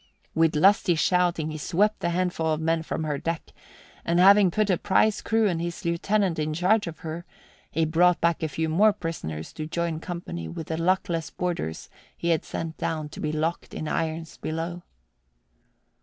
With lusty shouting he swept the handful of men from her deck, and having put a prize crew and his lieutenant in charge of her, he brought back a few more prisoners to join company with the luckless boarders he had sent down to be locked in irons below.